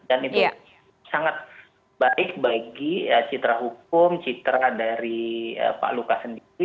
dan itu sangat baik bagi citra hukum citra dari pak luka sendiri